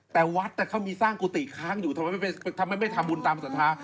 แต่วัดเขามีสร้างกุฏิค้างอยู่ทำไมไม่ทำบุญตามศรัทธา